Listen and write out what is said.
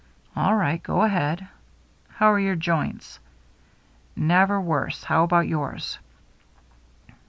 "All right. Go ahead." " How are your joints ?"" Never worse. How about yours